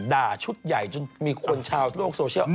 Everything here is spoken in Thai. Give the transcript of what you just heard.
ชุดใหญ่จนมีคนชาวโลกโซเชียล